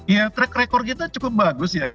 ya track record kita cukup bagus ya